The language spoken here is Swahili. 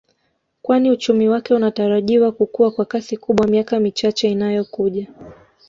Kwani uchumi wake unatarajiwa kukua kwa kasi kubwa miaka michache inayo kuja